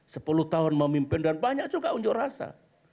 sepuluh tahun memimpin dan banyak juga unjuk rasa